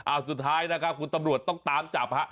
โอ้โหสุดท้ายนะคะคุณตำรวจต้องตามจับ